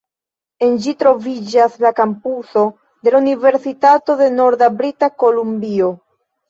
En ĝi troviĝas la kampuso de la Universitato de Norda Brita Kolumbio.